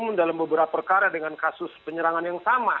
namun dalam beberapa perkara dengan kasus penyerangan yang sama